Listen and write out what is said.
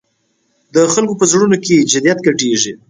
د خلکو په زړونو کې جدیت ګډېږي.